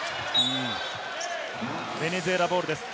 ベネズエラボールです。